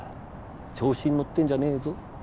調子に乗ってんじゃねぇぞ